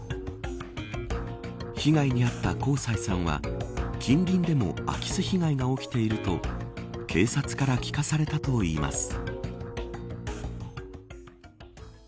被害に遭った香西さんは近隣でも空き巣被害が起きていると警察から聞かされたといいます。